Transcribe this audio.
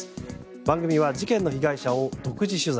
番組は事件の被害者を独自取材。